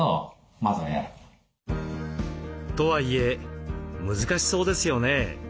とはいえ難しそうですよね。